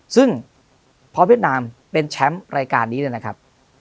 ซึ่งพอเวียดนามเป็นแชมป์รายการนี้เลยนะครับ